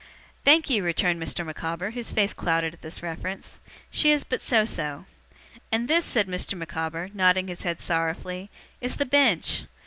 'Thank you,' returned Mr. Micawber, whose face clouded at this reference, 'she is but so so. And this,' said Mr. Micawber, nodding his head sorrowfully, 'is the Bench!